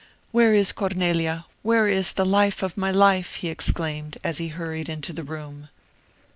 "Where is Cornelia? where is the life of my life?" he exclaimed, as he hurried into the room.